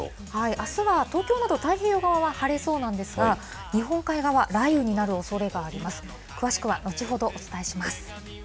あすは東京など、太平洋側は晴れそうなんですが、日本海側、雷雨になるおそれがあります。